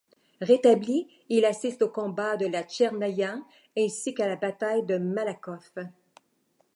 Rétabli, il assiste au combat de la Tchernaïa, ainsi qu'à la bataille de Malakoff.